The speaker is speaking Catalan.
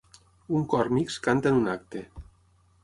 Un cor mixt canta en un acte.